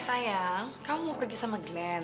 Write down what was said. sayang kamu mau pergi sama glenn